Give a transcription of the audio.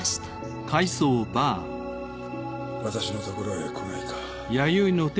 塚原：私のところへ来ないか？